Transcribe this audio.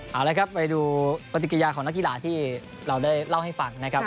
เอาละครับไปดูปฏิกิยาของนักกีฬาที่เราได้เล่าให้ฟังนะครับ